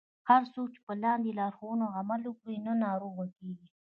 هر څوک چې په لاندې لارښوونو عمل وکړي نه ناروغه کیږي.